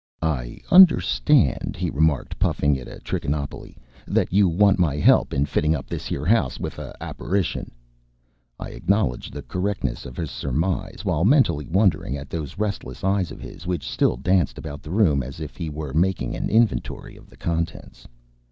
"I hunderstand," he remarked, puffing at a trichinopoly, "that you want my 'elp in fitting up this 'ere 'ouse with a happarition." I acknowledged the correctness of his surmise, while mentally wondering at those restless eyes of his, which still danced about the room as if he were making an inventory of the contents.